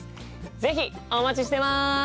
是非お待ちしてます！